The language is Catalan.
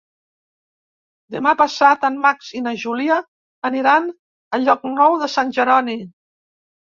Demà passat en Max i na Júlia aniran a Llocnou de Sant Jeroni.